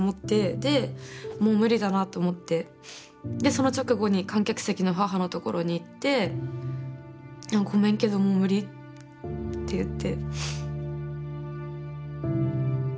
でもう無理だなと思ってその直後に観客席の母のところに行って「ごめんけどもう無理」って言って。